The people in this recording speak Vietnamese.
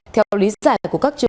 theo lý giải của các trường